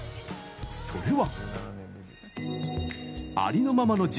それは。